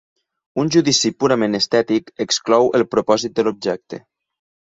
Un judici purament estètic exclou el propòsit de l'objecte.